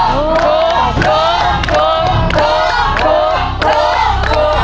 ถูกถูกถูกถูก